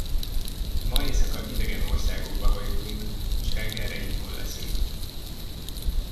Ma éjszaka idegen országokba hajózunk, s reggelre itthon leszünk.